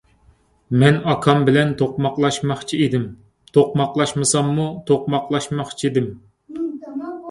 مەن ئاكام بىلەن توقماقلاشماقچىدىم. توقماقلاشمىساممۇ توقماقلاشماقچىدىم.